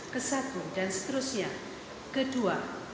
ke satu dan seterusnya kedua